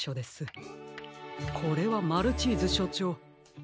これはマルチーズしょちょう。